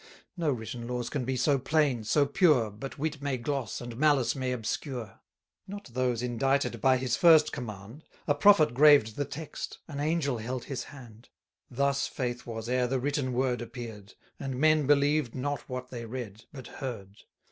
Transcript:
No written laws can be so plain, so pure, But wit may gloss, and malice may obscure; Not those indited by his first command, 320 A prophet graved the text, an angel held his hand. Thus faith was ere the written word appear'd, And men believed not what they read, but heard.